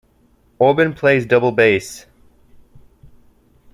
Orban plays double bass.